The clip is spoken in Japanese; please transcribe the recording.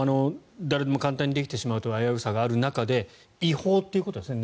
誰でも簡単にできてしまうという危うさがある中で違法ということですね